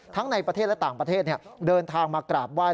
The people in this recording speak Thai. ในประเทศและต่างประเทศเดินทางมากราบไหว้